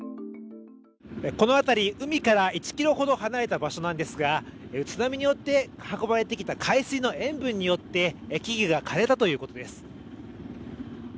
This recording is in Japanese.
この辺り、海から１ｋｍほど離れた場所なんですが、津波によって運ばれてきた海水の塩分によって木々が枯れたということです。